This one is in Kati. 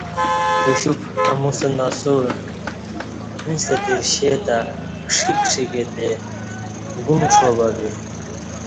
اُوشپ امُوستہ نسوع ایݩستہ درشے تہ کݜی کݜی کہ تی، گون کشا بہ با